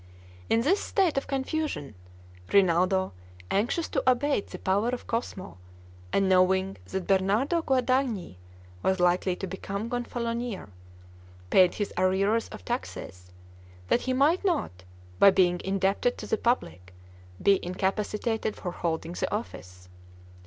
In this state of confusion, Rinaldo, anxious to abate the power of Cosmo, and knowing that Bernardo Guadagni was likely to become Gonfalonier, paid his arrears of taxes, that he might not, by being indebted to the public, be incapacitated for holding the office.